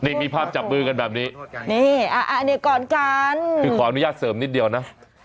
นี่มีภาพจับมือกันแบบนี้นี่อันนี้ก่อนกันคือขออนุญาตเสริมนิดเดียวนะ